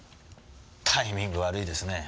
タイミング悪いですね。